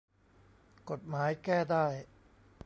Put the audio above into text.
กฎหมายแก้ได้